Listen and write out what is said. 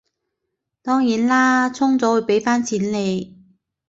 當然啦，充咗會畀返錢你